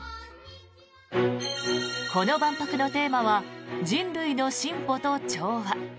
この万博のテーマは「人類の進歩と調和」。